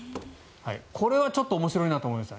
これはちょっと面白いなと思いました。